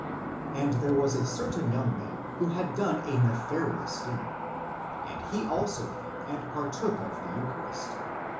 And there was a certain young man, who had done a nefarious deed. And he also came and partook of the eucharist.